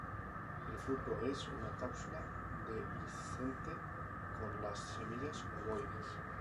El fruto es una cápsula dehiscente con las semillas ovoides.